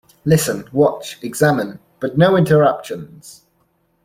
Listen, watch, examine — but no interruptions!